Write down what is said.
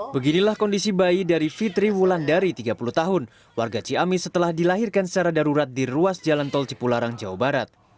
beginilah kondisi bayi dari fitri wulandari tiga puluh tahun warga ciamis setelah dilahirkan secara darurat di ruas jalan tol cipularang jawa barat